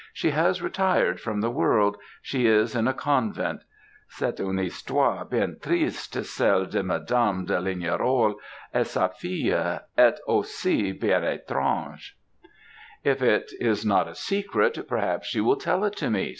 "She has retired from the world, she is in a convent. C'est une histoire bien triste celle de Madame de Lignerolles et sa fille, et aussi bien etrange!" "If it is not a secret, perhaps you will tell it to me?"